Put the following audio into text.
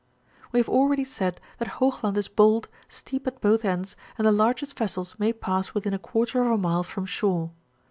We have already said, that Hoogland is bold, steep at both ends, and the largest vessels may pass within a quarter of a nule from shore.